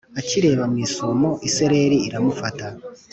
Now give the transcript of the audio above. akireba mwisumo isereri iramufata